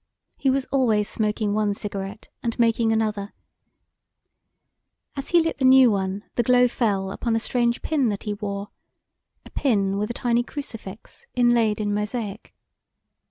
He was always smoking one cigarette and making another; as he lit the new one the glow fell upon a strange pin that he wore, a pin with a tiny crucifix inlaid in mosaic.